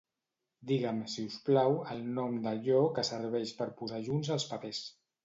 Digue'm, si us plau, el nom d'allò que serveix per posar junts els papers.